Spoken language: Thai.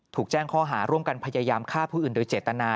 ถูกแจ้งข้อหาร่วมกันพยายามฆ่าผู้อื่นโดยเจตนา